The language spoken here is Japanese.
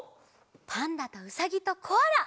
パンダとうさぎとコアラ！